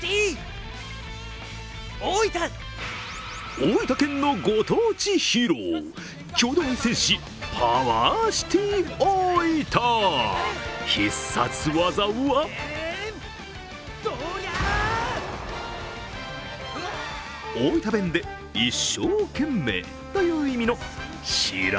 大分県のご当地ヒーロー、郷土愛戦士・パワーシティオーイタ必殺技は大分弁で一生懸命という意味の真羅